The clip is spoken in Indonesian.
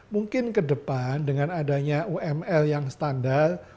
mungkin ke depan dengan adanya uml yang standar